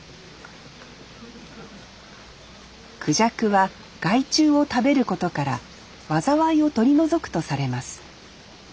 クジャクは害虫を食べることから災いを取り除くとされます。